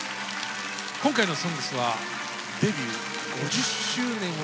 今回の「ＳＯＮＧＳ」はデビュー５０周年を迎えます